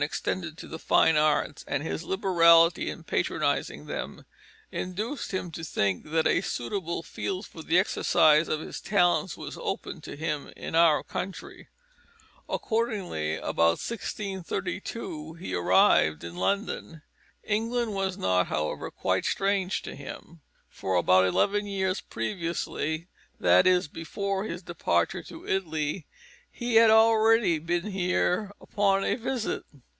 extended to the fine arts, and his liberality in patronising them, induced him to think that a suitable field for the exercise of his talents was open to him in our country. Accordingly about 1632 he arrived in London. England was not, however, quite strange to him, for about eleven years previously that is, before his departure to Italy he had already been here upon a visit.